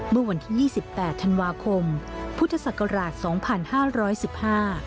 เมื่อวันที่๒๘ธันวาคมพุทธศักราช๒๕๑๕